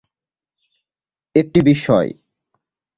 একটি বিস্ময়।